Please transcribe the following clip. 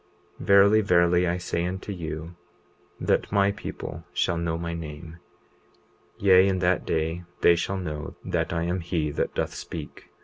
20:39 Verily, verily, I say unto you, that my people shall know my name; yea, in that day they shall know that I am he that doth speak.